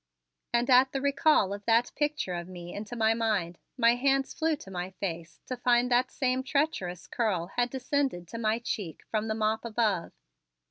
And at the recall of that picture of me into my mind, my hands flew to my face to find that same treacherous curl had descended to my cheek from the mop above.